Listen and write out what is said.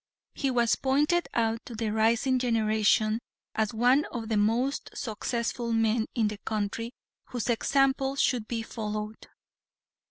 He was pointed out to the rising generation as one of the most successful men in the country whose example should be followed.